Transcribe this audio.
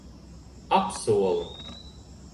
Apsolu.